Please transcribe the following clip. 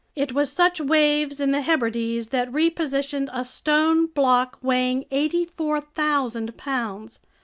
It was such waves in the Hebrides that repositioned a stone block weighing 84,000 pounds.